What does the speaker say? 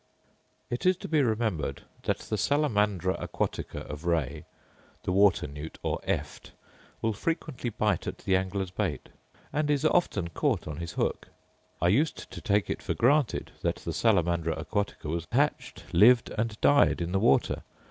It is to be remembered that the salamandra aquatica of Ray (the water newt or eft) will frequently bite at the angler's bait, and is often caught on his hook. I used to take it for granted that the salamandra aquatica was hatched, lived, and died in the water.